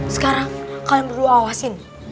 sekarang kalian berdua awasin